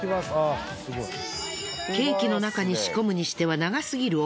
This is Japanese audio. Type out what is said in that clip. ケーキの中に仕込むにしては長すぎる帯。